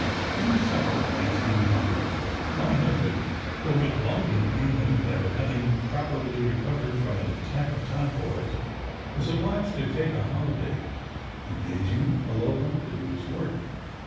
In the summer of 1900 my husband, who had long been ailing, never having properly recovered from an attack of typhoid, was obliged to take a holiday, engaging a locum to do his work.